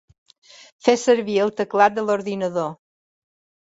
Fer servir el teclat de l’ordinador.